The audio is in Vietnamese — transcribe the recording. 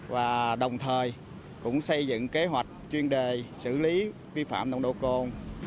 và đồng thời cũng xây dựng kế hoạch chuyên đề xử lý vi phạm nồng độ cồn